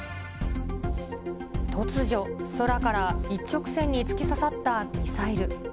突如、空から一直線に突き刺さったミサイル。